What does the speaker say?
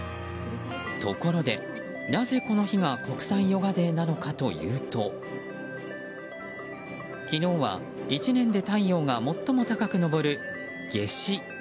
ところで、なぜこの日が国際ヨガデーなのかというと昨日は１年で太陽が最も高く昇る夏至。